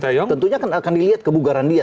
tentunya akan dilihat kebugaran dia